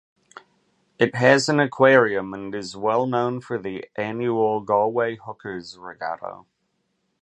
It has an aquarium and is well known for the annual Galway Hookers Regatta.